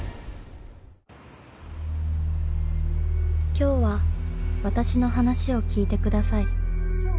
［今日は私の話を聞いてください］